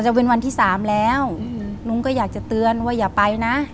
จะเป็นวันที่สามแล้วลุงก็อยากจะเตือนว่าอย่าไปนะ